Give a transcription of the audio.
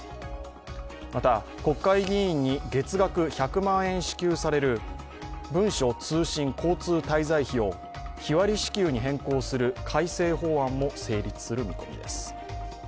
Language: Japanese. また、国会議員に月額１００万円支給される文書通信交通滞在を日割り支給に変更する改正法案も成立する見込みです。